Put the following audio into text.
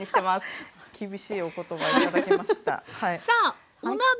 はい。